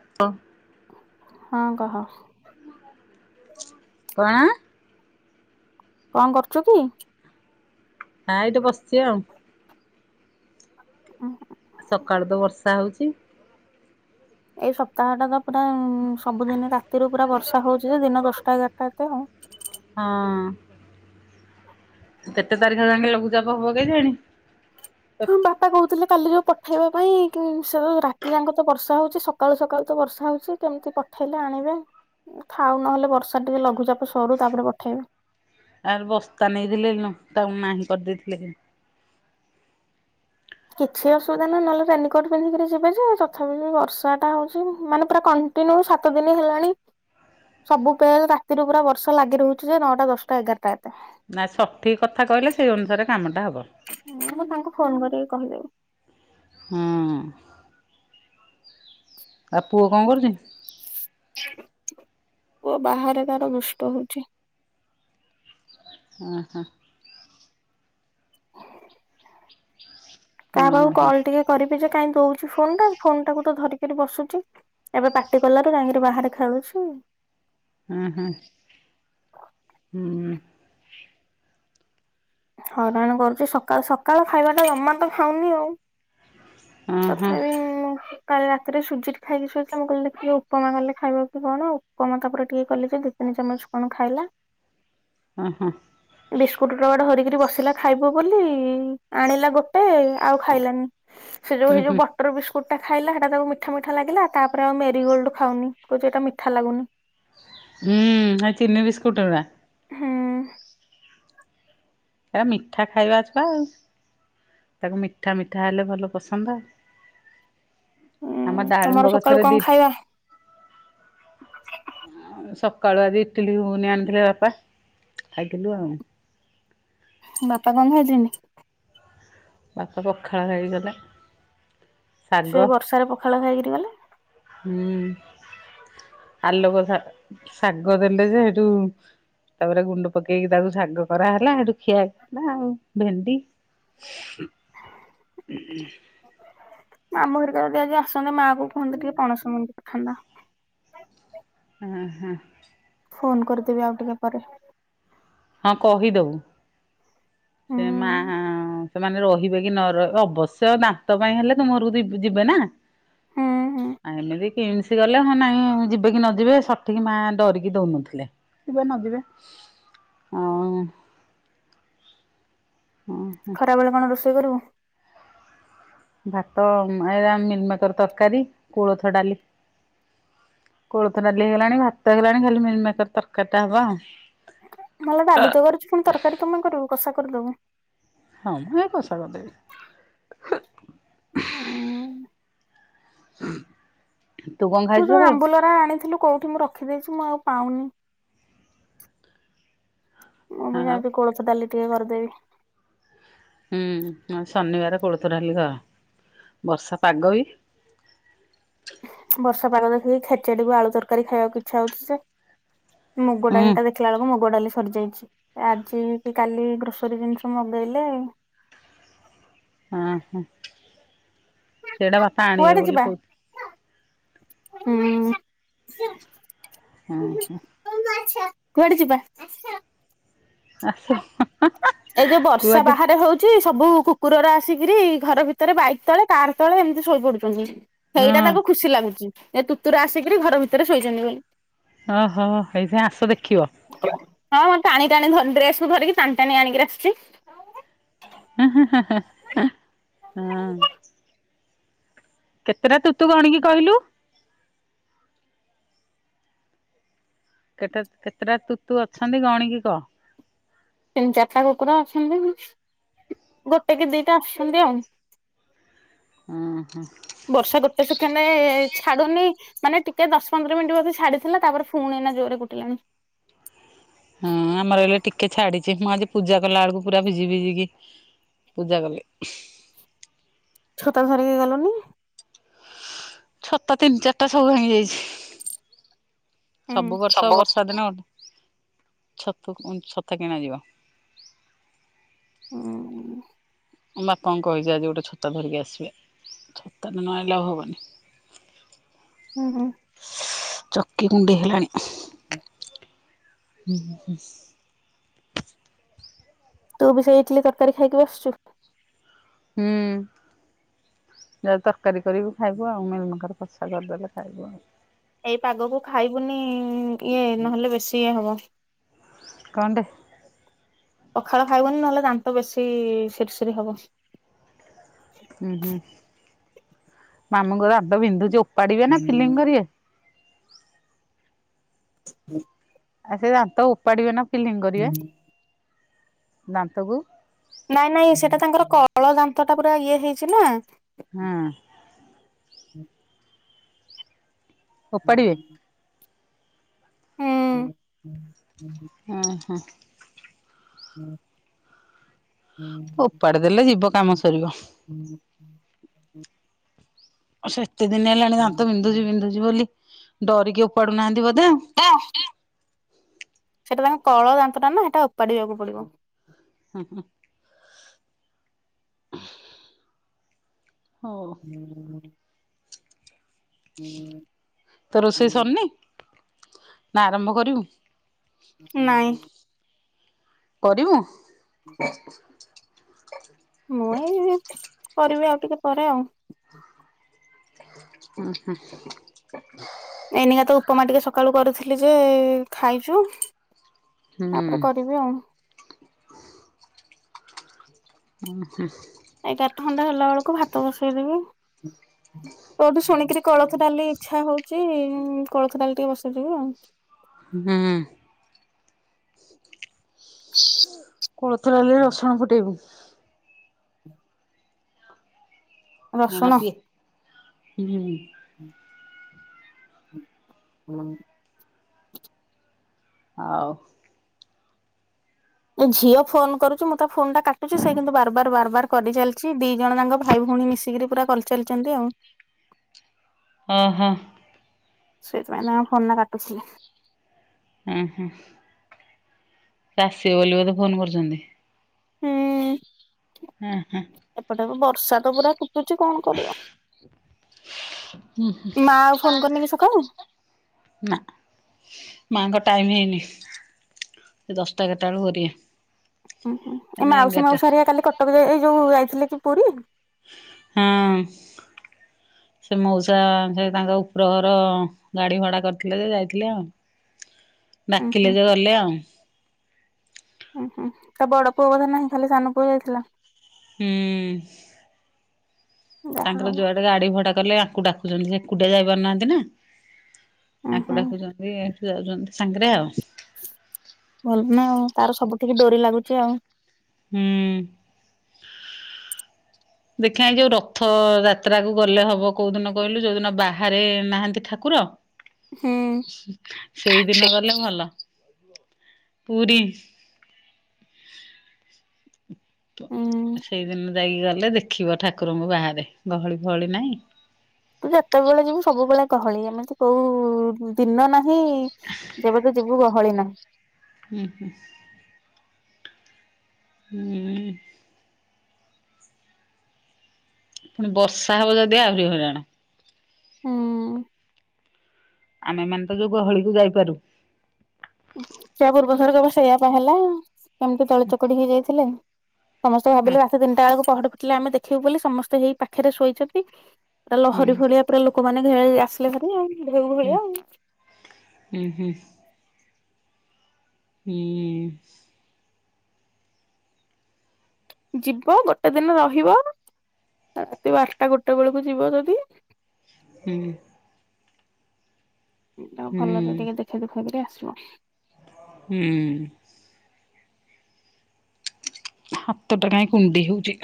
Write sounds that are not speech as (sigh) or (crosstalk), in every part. (unintelligible) ହଁ କହ? କଣ? କଁ କରୁଚୁ କି? ନାଁ ଏଇଠି ବସିଚି ଆଉ। ଉୁଁ ହୁଁ। ସକାଳୁତ ବର୍ଷା ହଉଚି। ଏଇ ସପ୍ତାହଟାତ ପୁରା ସବୁଦିନ ରାତିରୁ ପୁରା ବର୍ଷା ହଉଚିଯେ ଦିନ ଦଶଟା ଏଗାରଟା ଯାଏ। ହଁ। କେତେ ତାରିଖ ଯାକେ ଲଘୁଚାପ ହବ କେଜାଣି? ହଁ ବାପା କହୁଥିଲେ କାଲି ଯୋଉ ପଠେଇବା ପାଇଁ ସେରାତି ଯାକତ ବର୍ଷା ହଉଚି ସ ସକାଳୁ ସକାଳୁତ ବର୍ଷା ହଉଚି କେମିତି ପଠେଇଲେ ଆଣିବେ। ଥାଉ ନହେଲେ ବର୍ଷା ଟିକେ ଲଘୁଚାପ ସରୁ ତାପରେ ପଠେଇବେ। ଆରେ ବସ୍ତା ନେଇଥିଲେ ଲଙ୍କା ନାହିଁ କରିଦେଇଥିଲେ। କିଛି ଅସୁବିଧା ନାହି ନହେଲେ ରେନିକୋଟ ପିନ୍ଧିକିରି ଯିବେଯେ ତଥାପି ବର୍ଷାଟା ହଉଚି ମାନେ ପୁରା କଣ୍ଟିନ୍ୟଉ ସାତ ଦିନି ହେଲାଣି ସବୁବେଳେ ରାତିରୁ ପୁରା ବର୍ଷା ଲାଗି ରହୁଚିଯେ ନଅଟା ଦଶଟା ଏଗାରଟା ଏତେ। ନା ସଠିକ୍ କଥା କହିଲେ ସେଇ ଅନୁସାରେ କାମଟା ହବ। ହୁଁ ମୁଁ ତାଙ୍କୁ ଫୋନ୍ କରିକି କହିଦେବି? ହୁଁ। ଆଉ ପୁଅ କଁ କରୁଚି? ପୁଅ ବାହାରେ ତାର ଦୁଷ୍ଟ ହଉଚି। ଉଁ ହୁଁ। କାହା ହଁ ପାଖକୁ କଲ୍ ଟିକେ କରିବିଯେ କାଇହିଁ ଦଉଛୁ ଫୋନଟା ଫୋନଟାକୁତ ଧରିକରି ବସୁଚି ଏବେ ପାଟି କଲାରୁୁ ଯାଇକିରି ବାହାରେ ଖେଳୁଚି ଉଁ ହୁଁ ହୁଁ। ହଇରାଣ କରୁଚି ସକାଳ ସକାଳ ଖାଇବାଟା ଜମାତ ଖାଉନି ଆଉ? ଓହୋ ତଥାପି ମୁଁ କାଲି ରାତିରେ ସୁଜି ଖାଇକି ଶୋଇଥିଲା ମୁଁ କହିଲି ଦେଖିଆ ଉପମା କଲେ ଖାଇବକି କଣ ଆଉ ଉପମା ତାପରେ ଟିକେ କଲିଯେ ଟି ତିନି ଚାମଚ କଣ ଖାଇଲା ଅଁ ହଁ। ପ୍ଲଡ଼ ହରିକି ବସିଲା ଖାଇବ ବୋଲି ଆଣିଲା ଗୋଟେ ଆଉ ଖାଇଲାନି। ସେ ଯୋଉ ହୁଁ ହେଯୋଉ ହୁଁ (unintelligible) ବଟର୍ ବିସ୍କୁଟୁଟା ଖାଇଲା ହେଟା ତାକୁ ମିଠା ମିଠା ଲାଗିଲା ତାପରେ ଆଉ ମେରିଗୋଲ୍ଡ ଖାଉନି କହୁଛି ଏଟା ମିଠା ଲାଗୁନି। ହୁଁ ହେ ଚିିନି ବିସ୍କୁଟୁ ଅରା। ହୁଁ। ହେ ମିଠା ଖାଇବା ଛୁଆ ଆଉ? ତାକୁ ମିଠା ମିଠା ହେଲେ ଭଲ ପସନ୍ଦ। ଉଁ ଆମ ତମର ଡାଳିମ୍ବ ସକାଳୁ ଗଛରେ କଣ ଦିଟା ଖାଇବା? ସକାଳୁ ଆଜି ଇଟିଲି ଘୁଗୁନି ଆଣିଥିଲେ ବାପା ଖାଇଥିଲୁ ଆଉ। ବାପା କଁ ଖାଇଚନ୍ତିି? ବାପା ପଖାଳ ଖାଇକି ଗଲେ। ଶାଗ ସେଇ ବର୍ଷାରେ ପଖାଳ ଖାଇକିରି ଗଲେ? ହୁଁ। ଆଲୋକ (inaudible) ଶାଗ ଦେଲେ ଯେ ସେଇଠୁ ତାପରେ ବୁଟ ପକେଇକି ତାକୁ ଶାଗ କରାହଲା ସେଠୁ ଖିଆଲା ଆଉ ଭେଣ୍ଡି। (inaudible) ଆମ ଘରିକୁ ଯଦି ଆଜି ଆସନ୍ତେ ମା କୁ କୁହନ୍ତି ଟିକେ ପଣସ ମଞ୍ଜୀ ପଠାନ୍ତା। (unintelligible) ହଁ ହଁ। (inaudible) ଫୋନ କରିଦେବି ଆଉ ଟିକେ ପରେ। ହଁ କହିଦବୁ ହୁଁ ସେ ମା ସେମାନେ ରହିବେ କି ନ ରହିବେ ଅବଶ୍ୟ ଦାନ୍ତ ପାଇଁ ହେଲେ ତୁମ ଘରକୁ ଯିବେ ନା। ହୁଁ ହୁଁ। ଏମିତି କିମସି ଗଲେ ହଁ ନାଇଁ ଯିବେ କି ନ ଯିବେ ସଠିକି ମାଆ ଡରିକି ଦଉନଥିଲେ। (unintelligible) ଯିବେ ନ ଯିବେ (unintelligible) ଆଉ ଖରାବେଳେ କଣ ରୋଷେଇ କରିବୁ? ଭାତ ମିଲମିକର ତରକାରୀ କୋଳଥ ଡାଲି। କୋଳଥ ଡାଲି ହେଇଗଲାଣି ଭାତ ହେଇଲାଣି ଖାଲି ମିଲମିକର ତରକାରୀ ଟା ହବ ଆଉ। (inaudible) ଡାଲି ତ କରିଛୁ ପୁଣି ତରକାରୀ କଣ ପାଇଁ କରିବୁ କଷା କରିଦବୁ। ହଁ ମୁଁ ଏ କଷା କରି ଦେବି। (unintelligible) (inaudible) କଣ ତୁ ଖାଇଛୁ ଯୋଉ ସକାଳୁ? ଆମ୍ବୁଲରା ଆଣିଥିଲୁ କୋଉଠି ମୁଁ ରଖିଦେଇଛି ମୁଁ ଆଉ ପାଉନି। ମୁଁ ଆଉ ଯାଉଛି କୋଳଥ ଡାଲି ଟିକେ କରିଦେବି। ହୁଁଁ ଶନିବାର କୋଳଥଡାଲି ହଏ ବର୍ଷା ପାଗ ବି ବର୍ଷା ପାଗ ଦେଖିକି ଖେଚାଡିକୁ ଆଳୁ ତରକାରୀ ଖାଇବାକୁ ଇଚ୍ଛା ହଉଛି ଜେ ମୁଗ ଡାଲିଟା ହୁଁ ଦେଖ ଦେଖିଲା ବେଳକୁ ମୁଗ ଡାଲି ସରିଯାଇଛି ଆଜି କି କାଲି ଗ୍ରୋସରୀ ଜିନିଷ ମଗେଇଲେ (unintelligible) ସେଇଟା ବାପା କୁଆଡେ ଆଣିବେ ବୋଲି ଯିବା? କହୁଥିଲେ। ହୁଁ। (inaudible) (inaudible) ଆସ (unintelligible) ଏଇ ଯୋଉ ବର୍ଷା କୁଆଡେ ବାହରି ହଉଛି ସବୁ କୁକୁରର ଆସିକିରି ଘର ଭିତରେ ବାଇକ ତଳେ କାର ତଳେ ଏମିତି ଶୋଇ ପଡୁଛନ୍ତି। ସେଇଟା ତାକୁ ହଁ ଖୁସି ଲାଗୁଛି ଯେ କୁକୁର ଆସିକରି ଘର ଭିତରେ ଶୋଇଛନ୍ତି ବୋଲି। ଓହୋ ଏଇଥିାଇ ଆସ ଦେଖିବ (unintelligible) ହଁ ଟାଣି ଟାଣି ଡ୍ରେସ କୁ ଧରିକି ଟାଣି ଟାଣି ଆଣିକି ଆସିୁଛି। ହ ହଁ କେତେଟା ତୁତୁ ଗଣିକି କହିଲୁ? କେତେ କେତେଟା ତୁତୁ ଅଛନ୍ତି ଗଣିକି କହ। ତିନି ଚାରିଟା କୁକୁର ଅଛନ୍ତି ଗୋଟେ କି ଦିଟା ଆସୁଛନ୍ତି ଆଉ। (inaudible) ହୁଁ ହୁଁ (inaudible) ବର୍ଷା ଗୋଟେ ସେକେଣ୍ଡ ଛାଡୁନି ମାନେ ଟିକେ ଦଶ ପନ୍ଦର ମିନିଟ ବୋଧେ ଛାଡିଥିଲା ତାପରେ ପୁଣି ଏନା ଜୋରେ କୁଟିଲାଣି। ହଁ ଆମର ହେଲେ ଟିକେ ଛାଡିଛି ମୁଁ ଆଜି ପୂଜା କଲା ବେଳକୁ ପୁରା ଭିଜି ଭିଜିିକି ପୂଜା କଲି (inaudible) ଛତା ଧରିକି ଗଲନି। ଛତା ତିନି ଚାରିଟା ସବୁ ଭାଙ୍ଗି ଯାଇଛି। ହୁଁ ସବୁ ବର୍ଷ ବର୍ଷ ସାଦିନ ଛତୁ ଛତା କିଣାଯିବ। ହୁଁ। ମୋ ବାପାଙ୍କୁ କହିଛି ଆଜି ଗୋଟେ ଛତା ଧରିକି ଆସିବେ। ଛତା ତ ନ ଆଣିଲେ ଆଉ ହବନି। ହୁଁ ହୁଁ। ଚକି କୁଣ୍ଡେଇ ହେଲାଣି। (inaudible) ହୁଁ ହୁଁ। ତୁ ବି ସେଇ ଇଟିଲି, ତରକାରୀ ଖାଇକି (unintelligible) ଛୁ? ହୁଁ। ଯା ତରକାରୀ କରିବୁ ଖାଇବୁ ଆଉ, ମିଲମେକର କସା କରିଦେଲେ ଖାଇବୁ ଆଉ। ଏଇ ପାଗକୁ ଖାଇବୁନି ଇଏ ନହେଲେ ବେଶୀ ଇଏ ହବ। କଣ୍ଡେ? ପଖାଳ ଖାଇବନି ନହେଲେ ଦାନ୍ତ ବେଶୀ ସିରି ସିରି ହବ। ହୁଁ ହୁଁ ମାମୁଁଙ୍କ ଦାନ୍ତ ବିନ୍ଧୁଛି ଓପାଡିବେ, ନା ଫିଲିଙ୍ଗ କରିବେ? (inaudible) ଆଉ ସେ ଦାନ୍ତ ଉପାଡ଼ିବେ ନା ଫିଲିଂ କରିବେ? ଦାନ୍ତକୁ। ନାଇଁ ନାଇଁ ସେଇଟା ତାଙ୍କର କଳ ଦାନ୍ତ ଟା ପୁରା ଇଏ ହେଇଛି ନା। ହଁ। ଓପାଡିବେ? ହୁଁ। ହୁଁ। ହଁ ହଁ। ଓପାଡି ଦେଲେ ଯିବ କାମ ସରିବ। (inaudible) ସେତେ ଦିନ ହେଲାଣି ଦାନ୍ତ ବିନ୍ଧୁଛି ବିନ୍ଧୁଛି ବୋଲି ଡରିକି ଉପାଡୁନାହାନ୍ତି ବୋଧେ ଆଉ। (unintelligible) ସେଟା ତାଙ୍କ କଳ ଦାନ୍ତ ଟା ନା, ସେଇଟା ଉପାଡିବାକୁ ପଡିବ। ହ ହଉ। (inaudible) (inaudible) ତୋ ରୋଷେଇ ସରନି? ନା ଆରମ୍ଭ କରିବୁ? ନାଇଁ। କରିବୁ? ମୁଇ କରିବି ଆଉ ଟିକେ ପରେ ଆଉ। ହୁଁ ହୁଁ। ଏଇନିକା ତ ଉପମା ଟିକେ ସକାଳୁ କରୁଥିଲି ଯେ ଖାଇଛୁ। ହୁଁ ତାପରେ କରିବି ଆଉ। ଉଁ ହୁଁ। ଏ କାଠ ଘଣ୍ଟା ହେଲା ବେଳକୁ ଭାତ ବସେଇଦବି। କୋଉଠୁ ଶୁଣିକିରି କୋଳଥ ଡାଲି ଇଚ୍ଛା ହଉଛି, କୋଳଥ ଡାଲି ଟିକେ ବସେଇଦେଇବି ଆଉ। ହୁଁ ହୁଁ। କୋଳଥ ଡାଲିରେ ରସୁଣ ଫୁଟେଇବୁ। ରସୁଣ (unintelligible) ହୁଁ। ହଁ। ହଉ। ମୋ ଝିଅ ଫୋନ କରୁଛି, ମୁଁ ତା ଫୋନ ଟା କାଟୁଛିି ସେ କିନ୍ତୁ ବାର୍ ବାର୍ ବାର୍ ବାର୍ କରିଚାଲିଛି, ଦି ଜଣ ଯାଙ୍କ ଭାଇ ଭଉଣୀ ମିଶିକିରି ପୁରା କରିଚାଲିଚନ୍ତି ଆଉ। ଓ ହୋ। ସେଇଥିପାଇଁ ତାଙ୍କ ଫୋନା କାଟୁଥିଲି। ଉଁ ହୁଁ। ସିଏ ଆସିବ ବୋଲି ବୋଧେ ଫୋନ କରୁଚନ୍ତି। ହୁଁ। ହଁ ହଁ। ଏପଟେ ବି ବର୍ଷା ତ ପୁରା କୁ ଟୁଚି କଣ କରିବ ମା ଆଉ ଫୋନ କରିନି କି ସକାଳୁ? ନା। ମା ଙ୍କ ଟାଇମ୍ ହେଇନି ସେ ଦଶଟା ଏଗାରଟା ବେଳୁକୁ କରିବେ। ଉଁ ହୁଁ ଏ ନା ମାଉସୀ ଏଗାରଟା ମୋଉସା ହେରିକା କାଲି କଟକ ଜା ଏଇ ଯୋଉ ଯାଇଥିଲେ କି ପୁରୀ? ହଁ। ସେ ମଉସା ସେ ତାଙ୍କ ଉପର ଘର ଗାଡି ଭଡ଼ା କରିଥିଲେ ଯେ ଯାଇଥିଲେ ଆଉ। ଉଁ ହୁଁ। ଡାକିଲେ ଯେ ଗଲେ ଆଉ। ହୁଁ ହୁଁ ତା ବଡ ପୁଅ ବୋଧେ ନାହିଁ ଖାଲି ସାନ ପୁଅ ଯାଇଥିଲା। ହୁଁ। ଯାହା ତାଙ୍କର ହଉ ଯୁଆଡେ ଗାଡିଭଡା କଲେ ଆଙ୍କୁ ଡାକୁଚନ୍ତି ସେ ଏକୁଟିଆ ଯାଇ ପାରୁନାହାନ୍ତି ନା। ଉଁ ଆଙ୍କୁ ହୁଁ ଡାକୁଚନ୍ତି ସେ ଯାଉଚନ୍ତି ସାଙ୍ଗରେ ଆଉ। ଭଲ ନା ଆଉ ତାର ସବୁଠିକି ଡୋରି ଲାଗୁଚି ଆଉ। ହୁଁ। ଦେଖିଆଁ ଏଇ ଯୋଉ ରଥ ଯାତ୍ରାକୁୁ ଗଲେ ହବ କୋଉ ଦିନ କହିଲୁ ଯୋଉଦିନ ବାହାରେ ନାହାନ୍ତି ଠାକୁର। ହୁଁ। ହୁଁ ସେଇଦିନ ସେ ଗଲେ ଭଲ ପୁରୀ ଉଁ ସେଇଦିନ ଯାଇକି ଗଲେ ଦେଖିବ ଠାକୁରଙ୍କୁ ବାହାରେ ଗହଳି ଫହଳି ନାଇଁ। ତୁ ଯେତବେଳେ ଯିବୁ ସବୁବେଳେ ଗହଳି ଏମିତି କୋଉ ଦିନ ନାହିଁ ଯେବେ ତୁ ଯିବୁ ଗହଳି ନାହିଁ। ହୁଁ ହୁଁ। ହୁଁ। ପୁଣି ବର୍ଷା ହବ ଯଦି ଆହୁରି ହଇରାଣ। ହୁଁ। ଆମେ ମାନେ ତ ଯୋଉ ଗହଳିକୁୁ ଯାଇପାରୁ। ୟା ପୂର୍ବ ଥରକ ପା ସେଇଆ ପା ହେଲା ଏମିତି ଦଳି ଚକଡି ହେଇଯାଇଥିଲେ। ସମସ୍ତେ ଭାବିଲେ ରାତି ତିନିଟା ବେଳକୁ ପହଡ ଫିଟିଲେ ଆମେ ଦେଖିବୁ ବୋଲି ସମସ୍ତେ ହେଇ ପାଖେରେ ଶୋଇଚନ୍ତି। ପୁରା ହୁଁ ଲହରୀ ଭଳିଆ ପୁରା ଲୋକମାନେ ଘେଳି ଆସିଲେ ଘରି ଆଉ ଢେଉ ଭଳିଆ ଆଉ। ଉଁ ହୁଁ। ହୁଁ। ଯିବ ଗୋଟେ ଦିନ ରହିବ ରାତି ବାରଟା ଗୋଟେ ବେଳକୁ ଯିବ ଯଦି। ହୁଁ। ତା ହୁଁ ଭଲରେ ଟିକିଏ ଦେଖେଇ ଦୁଖାଇକିରି ଆସିବ। ହୁଁ। ହାତଟା କାଇଁ କୁଣ୍ଡେଇ ହଉଚି।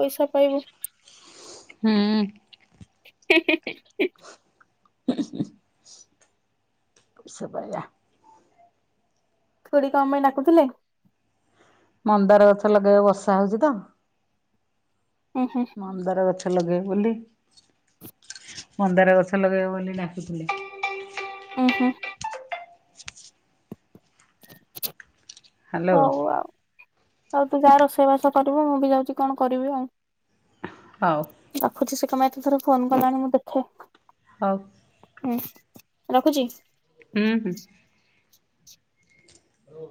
ପଇସା ପାଇବୁ। ହୁଁ। ହେଁ ହେଁ ହେଁ ହୁଁ ହୁଁ ସୁବା ଲା ଖୁଡୀ କଣ ପାଇଁ ଡାକୁୁଥିଲେ ମନ୍ଦାର ଗଛ ଲଗେଇବ ବର୍ଷା ହଉଛି ତ ହୁଁ ହୁଁ ମନ୍ଦାର ଗଛ ଲଗେଇବ ବୋଲି ମନ୍ଦାର ଗଛ ଲଗେଇବ ବୋଲି ଡାକୁଥିଲେ ଓ ହଁ ହ୍ୟାଲୋ ହଉ ଆଉ ଆଉ ତୁ ଯା ରୋଷେଇ ବାସ କରିବୁ ମୁଁ ବି ଯାଉଛି କଣ କରିବି ଆଉ ହଉ ରଖୁଛି ସେ କଣ ପାଇଁ ଏତେ ଥର ଫୋନ୍ କଲାଣି ମୁଁ ଦେଖେ ହଉ ଉଁ ରଖୁଛି ହୁଁ ହୁଁ ହ୍ୟାଲୋ